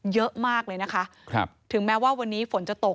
เยอะมากเลยนะคะถึงแม้ว่าวันนี้ฝนจะตก